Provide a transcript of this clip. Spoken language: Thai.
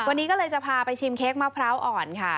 วันนี้ก็เลยจะพาไปชิมเค้กมะพร้าวอ่อนค่ะ